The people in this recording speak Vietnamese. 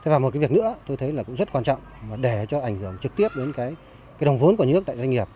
và một việc nữa tôi thấy rất quan trọng để cho ảnh hưởng trực tiếp đến đồng vốn của như ước tại doanh nghiệp